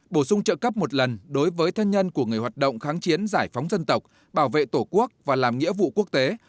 bổ sung trợ cấp một lần đối với thân nhân của người hoạt động kháng chiến giải phóng dân tộc bảo vệ tổ quốc và làm nghĩa vụ quốc tế